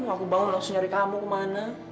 aku bawa langsung nyari kamu kemana